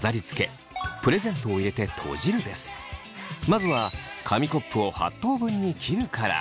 まずは紙コップを８等分に切るから。